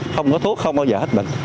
không có thuốc không bao giờ hết bệnh